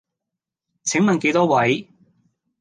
請問幾多位？